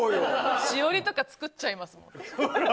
しおりとか作っちゃいますもん。